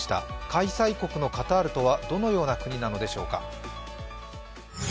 開催国のカタールとはどのような国なのでしょうか。